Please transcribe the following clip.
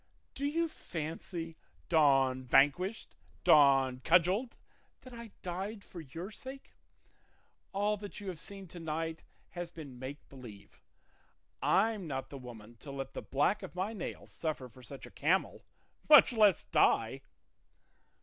Do you fancy, Don Vanquished, Don Cudgelled, that I died for your sake? All that you have seen to night has been make believe; I'm not the woman to let the black of my nail suffer for such a camel, much less die!"